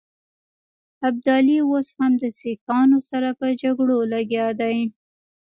ابدالي اوس هم د سیکهانو سره په جګړو لګیا دی.